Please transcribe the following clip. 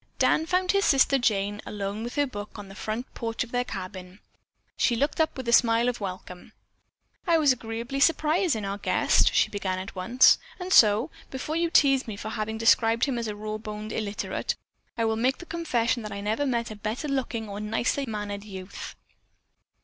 Dan found his sister Jane alone with her book on the front porch of their cabin. She looked up with a smile of welcome. "I was agreeably surprised in our guest," she began at once, "and so, before you tease me for having described him as raw boned and illiterate, I will make the confession that I never met a better looking or nicer mannered youth."